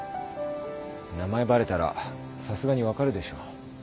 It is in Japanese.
名前バレたらさすがに分かるでしょ。